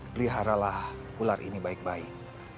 peliharalah ular ini baik baik